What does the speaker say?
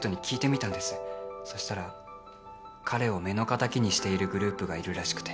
そしたら彼を目の敵にしているグループがいるらしくて。